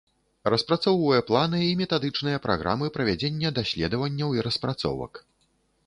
Распрацоўвае планы і метадычныя праграмы правядзення даследаванняў і распрацовак.